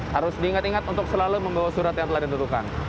harus diingat ingat untuk selalu membawa surat yang telah ditentukan